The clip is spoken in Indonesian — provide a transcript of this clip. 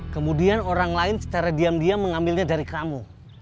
kemudian orang lain secara diam diam mengambilnya dari kamu